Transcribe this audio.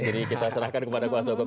jadi kita serahkan kepada kuasa hukum